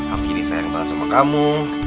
aku jadi sayang banget sama kamu